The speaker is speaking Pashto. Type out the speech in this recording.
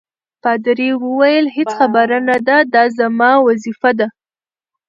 پادري وویل: هیڅ خبره نه ده، دا زما وظیفه ده.